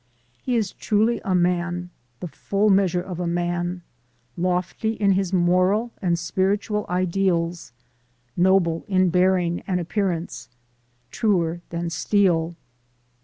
He is truly a man, the full measure of a man; lofty in his moral and spiritual ideals ; noble in bearing and appearance; truer than steel.